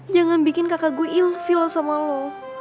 jangan bikin kakak gue ill feel sama lo